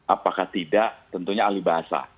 apakah tidak tentunya ahli bahasa